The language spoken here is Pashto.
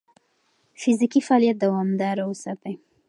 فزیکي فعالیت دوامداره وساتئ.